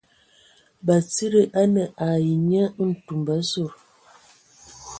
Batsidi a ne ai nye ntumba a zud.